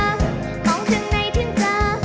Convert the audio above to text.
มองถึงในถึงเจอ